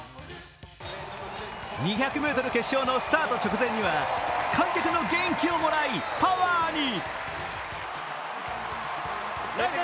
２００ｍ決勝のスタート直前には観客の元気をもらいパワーに。